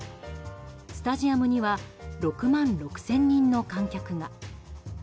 スタジアムには６万６０００人の観客が。